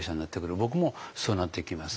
僕もそうなっていきます。